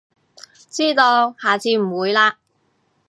知道，下次唔會喇